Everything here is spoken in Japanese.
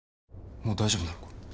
もう大丈夫なのか？